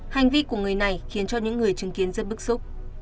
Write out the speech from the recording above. hành vi của người này khiến cho những người chứng kiến rất bức xúc